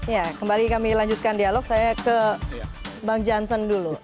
ya kembali kami lanjutkan dialog saya ke bang jansen dulu